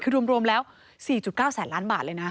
คือรวมแล้ว๔๙แสนล้านบาทเลยนะ